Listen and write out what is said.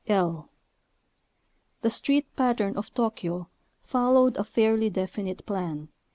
I. The street pattern of Tokyo followed a fairly definite plan.